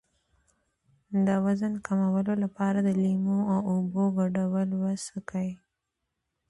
د وزن کمولو لپاره د لیمو او اوبو ګډول وڅښئ